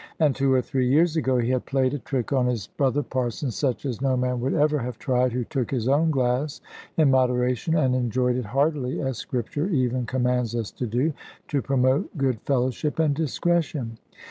And two or three years ago he had played a trick on his brother parsons, such as no man would ever have tried who took his own glass in moderation and enjoyed it heartily, as Scripture even commands us to do, to promote good fellowship and discretion.